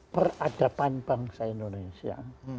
peradaban bangsa indonesia